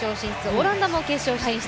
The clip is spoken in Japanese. オランダも決勝進出。